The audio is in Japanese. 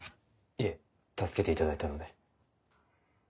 いえ助けていただいたので。